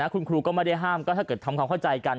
คุณครูก็ไม่ได้ห้ามก็ถ้าเกิดทำความเข้าใจกัน